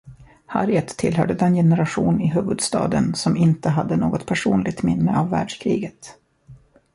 Harriet tillhörde den generation i huvudstaden som inte hade något personligt minne av världskriget.